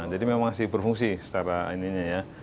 jadi memang masih berfungsi secara ininya ya